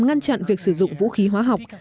ngăn chặn việc sử dụng vũ khí hóa học